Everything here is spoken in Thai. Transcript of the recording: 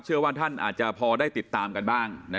เชื่อว่าท่านอาจจะพอได้ติดตามกันบ้าง